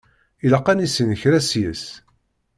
Ilaq ad nissin kra seg-s.